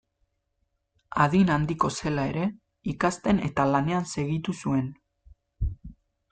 Adin handiko zela ere, ikasten eta lanean segitu zuen.